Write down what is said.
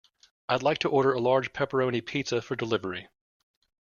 I'd like to order a large pepperoni pizza for delivery.